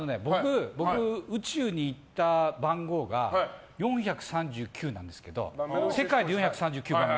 僕、宇宙に行った番号が４３９なんですけど世界で４３９番目。